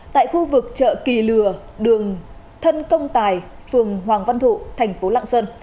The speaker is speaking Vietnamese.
tại khu vực chợ kỳ lừa đường thân công tài phường hoàng văn thụ thành phố lạng sơn